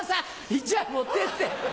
１枚持ってって！